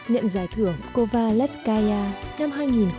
nhận giải thưởng cova lepskaia năm hai nghìn một mươi bảy